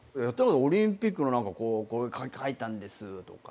オリンピックの何か描いたんですとか。